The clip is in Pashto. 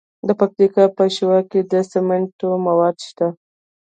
د پکتیا په شواک کې د سمنټو مواد شته.